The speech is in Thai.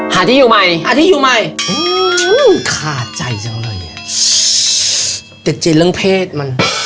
หาที่อยู่ใหม่หาที่อยู่ใหม่อืมขาดใจจังเลยเนี่ยติดจีนเรื่องเพศมัน